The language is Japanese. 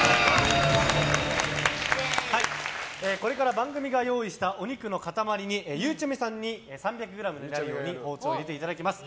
これから番組が用意したお肉の塊にゆうちゃみさんに３００ｇになるように包丁を入れていただきます。